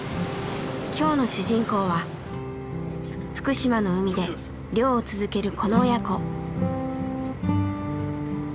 今日の主人公は福島の海で漁を続けるこの親子。